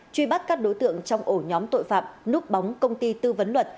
truy bắt các đối tượng trong ổ nhóm tội phạm núp bóng công ty tư vấn luật